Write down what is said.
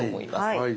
はい。